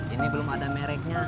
ini belum ada mereknya